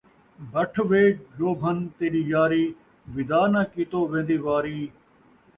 بٹھ وے جوبھن تیݙی یاری، وِداع نہ کیتو وین٘دی واری